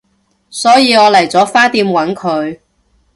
所以我嚟咗花店搵佢